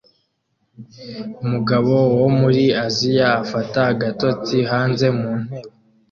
Umugabo wo muri Aziya afata agatotsi hanze mu ntebe